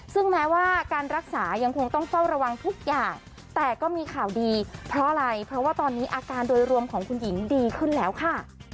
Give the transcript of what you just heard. ซึ่งแม้ว่าการรักษายังคงต้องเฝ้าระวังทุกอย่างแต่ก็มีข่าวดีเพราะอะไรเพราะว่าตอนนี้อาการโดยรวมของคุณหญิงดีขึ้นแล้วค่ะ